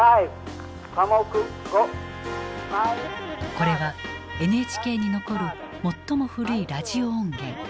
これはＮＨＫに残る最も古いラジオ音源。